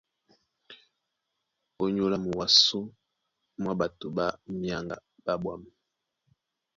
Ónyólá muwasó mwá ɓato ɓá myaŋga ɓá ɓwâm.